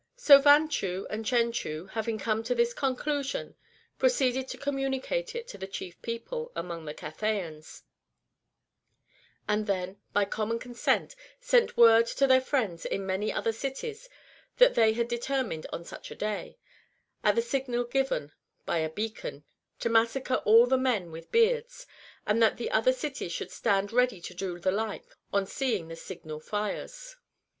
So Vanchu and Chenchu, having come to this con clusion, proceeded to communicate it to the chief people among the Cathayans, and then by common consent sent word to their friends in many other cities that they had determined on such a day, at the signal given by a beacon, to massacre all the men with beards, and that the other cities should stand ready to do the like on seeing the signal fires.